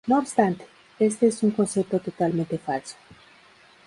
No obstante, este es un concepto totalmente falso.